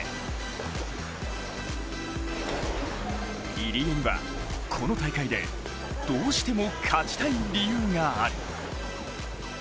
入江には、この大会でどうしても勝ちたい理由がある。